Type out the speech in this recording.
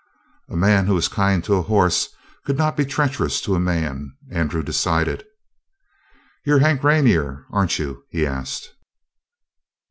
A man who was kind to a horse could not be treacherous to a man, Andrew decided. "You're Hank Rainer, aren't you?" he asked.